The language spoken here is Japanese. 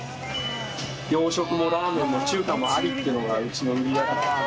洋食もラーメンも中華もあるっていうのがうちの。